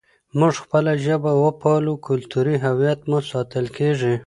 موږ خپله ژبه وپالو، کلتوري هویت مو ساتل کېږي.